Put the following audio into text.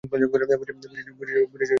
বুঝেছি কী করতে হবে।